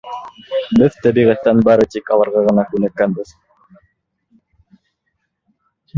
Беҙ тәбиғәттән бары тик алырға ғына күнеккәнбеҙ.